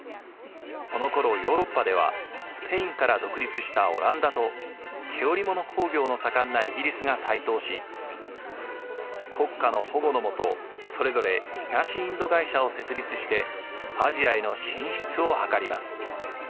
このころヨーロッパではスペインから独立したオランダと毛織物工業の盛んなイギリスが台頭し国家の保護のもとそれぞれ東インド会社を設立してアジアへの進出を図ります。